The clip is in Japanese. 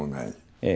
ええ。